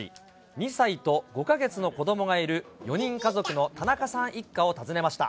２歳と５か月の子どもがいる４人家族の田中さん一家を訪ねました。